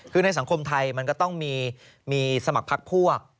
คือในสังคมไทยมันก็ต้องมีสมัครพักพวก